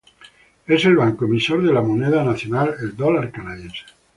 Es el banco emisor de la moneda nacional, el dólar canadiense.